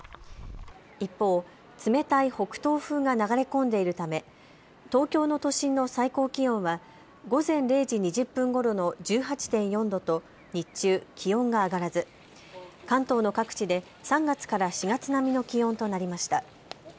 一方、冷たい北東風が流れ込んでいるため東京の都心の最高気温は午前０時２０分ごろの１８．４度と日中、気温が上がらず関東の各地で３月から４月並みの気温となりました。